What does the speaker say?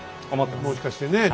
もしかしてね。